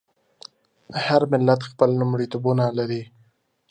هر ملت خپل لومړیتوبونه لري.